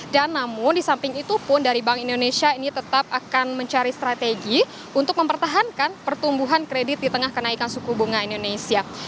dan namun di samping itu pun dari bank indonesia ini tetap akan mencari strategi untuk mempertahankan pertumbuhan kredit di tengah kenaikan suku bunga indonesia